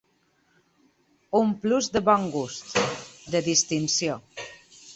Un plus de bon gust, de distinció.